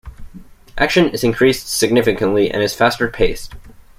Action is increased significantly and is faster-paced.